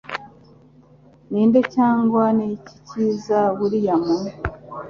Ninde Cyangwa Niki Cyiza William